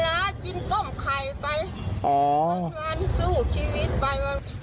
ต้นวันสู้ชีวิตไปบ้าง